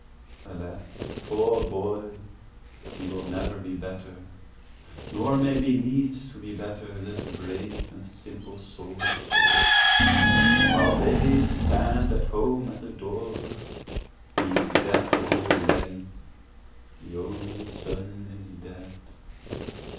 5Alas, poor boy, he will never be better, (nor may be needs to be better, that brave and simple soul;)While they stand at home at the door, he is dead already; The only son is dead.